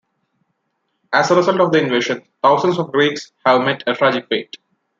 As a result of the invasion, thousands of Greeks have met a tragic fate.